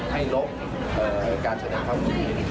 ให้ลบการแสดงความดี